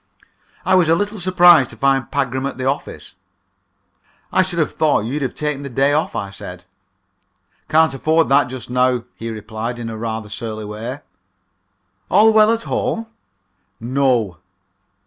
I was a little surprised to find Pagram at the office. "I should have thought you'd have taken a day off," I said. "Can't afford that just now," he replied, in rather a surly way. "All well at home?" "No."